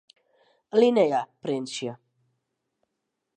Alinea printsje.